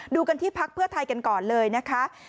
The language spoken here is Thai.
ดูกันที่พักเพื่อไทยกันก่อนเลยนะคะ